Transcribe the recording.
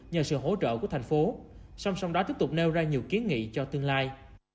nhờ sự hỗ trợ của thành phố song song đó tiếp tục nêu ra nhiều kiến nghị cho tương lai